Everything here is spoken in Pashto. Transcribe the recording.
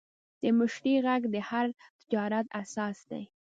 د مشتری غږ د هر تجارت اساس دی.